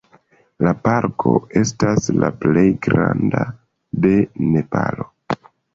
La parko estas la plej granda de Nepalo.